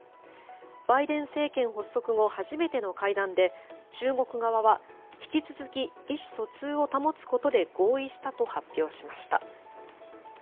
バイデン政権発足後初めての会談で、中国側は引き続き意思疎通を保つことで合意したと発表しました。